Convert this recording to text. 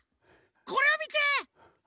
これをみて！